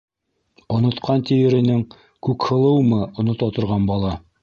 Онотҡан тиер инең — Күкһылыумы онота торған бала?